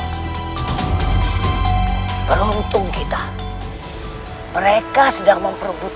saat ini anda tak republican saya akhir akhir nantikan subscribe diri anda